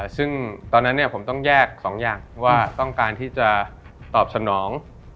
ซึ่งตอนนั้นผมต้องแยก๒อย่างว่าต้องการที่จะตอบสนอง